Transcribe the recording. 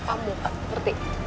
numpang mu kak ngerti